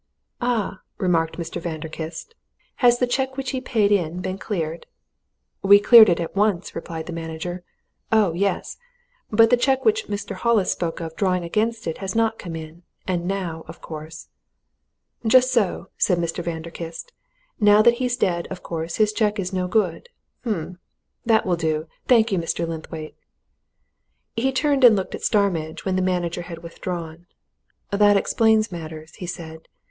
"Ah!" remarked Mr. Vanderkiste. "Has the cheque which he paid in been cleared?" "We cleared it at once," replied the manager. "Oh, yes! But the cheque which Mr. Hollis spoke of drawing against it has not come in and now, of course " "Just so," said Mr. Vanderkiste. "Now that he's dead, of course, his cheque is no good. Um! That will do, thank you, Mr. Linthwaite." He turned and looked at Starmidge when the manager had withdrawn. "That explains matters," he said.